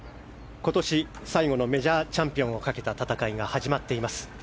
今年最後のメジャーチャンピオンをかけた戦いが始まっています。